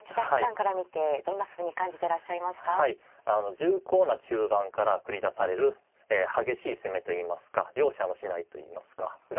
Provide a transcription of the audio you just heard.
重厚な中盤から繰り出される激しい攻めといいますか容赦をしないといいますか妥協しない踏み込みですね。